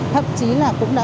thậm chí là cũng đã